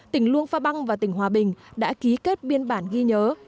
tỉnh luông pha băng và tỉnh hòa bình đã ký kết biên bản ghi nhớ